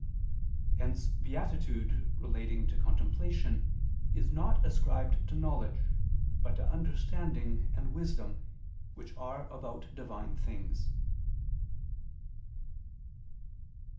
Hence beatitude relating to contemplation is not ascribed to knowledge, but to understanding and wisdom, which are about Divine things.